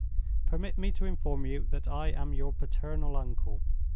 Permit me to inform you that I am your paternal uncle.